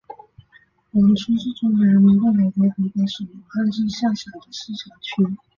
黄区是中华人民共和国湖北省武汉市下辖的市辖区。